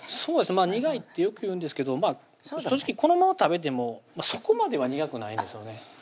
苦いってよく言うんですけど正直このまま食べてもそこまでは苦くないんですよね